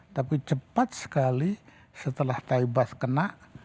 tapi cepat sekali setelah thai buff kena